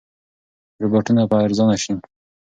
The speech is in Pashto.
روباټونه به ارزانه شي.